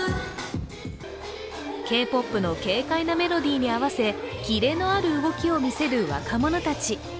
Ｋ−ＰＯＰの軽快なメロディーに合わせキレのある動きを見せる若者たち。